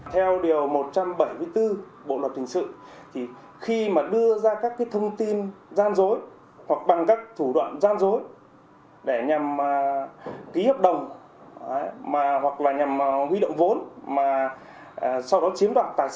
theo điều một trăm bảy mươi bốn bộ luật hình sự thì khi mà đưa ra các thông tin gian dối hoặc bằng các thủ đoạn gian dối để nhằm ký hợp đồng hoặc là nhằm huy động vốn mà sau đó chiếm đoạn tài sản